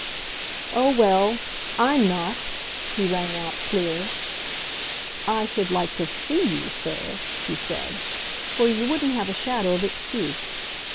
"Oh, well, I'M not!" he rang out clear. "I should like to SEE you, sir!" she said. "For you wouldn't have a shadow of excuse."